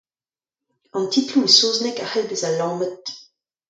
An titloù e saozneg a c'hell bezañ lammet.